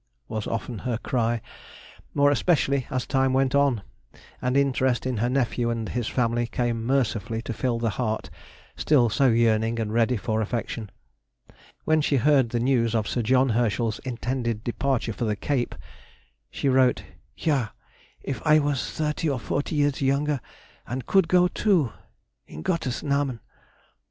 was often her cry, more especially as time went on, and interest in her nephew and his family came mercifully to fill the heart still so yearning and ready for affection. When she heard the news of Sir John Herschel's intended departure for the Cape, she wrote, "Ja! if I was thirty or forty years junger and could go too? in Gottes nahmen!"